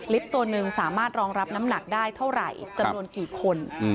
ตัวหนึ่งสามารถรองรับน้ำหนักได้เท่าไหร่จำนวนกี่คน